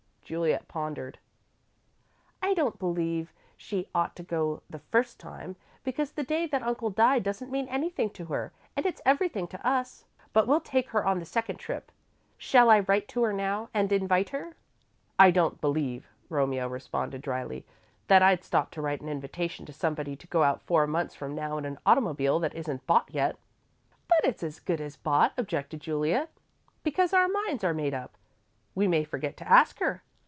Juliet pondered. "I don't believe she ought to go the first time, because the day that Uncle died doesn't mean anything to her, and it's everything to us. But we'll take her on the second trip. Shall I write to her now and invite her?" "I don't believe," Romeo responded, dryly, "that I'd stop to write an invitation to somebody to go out four months from now in an automobile that isn't bought yet." "But it's as good as bought," objected Juliet, "because our minds are made up. We may forget to ask her."